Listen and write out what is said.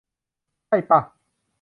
ใช่ป่ะ ?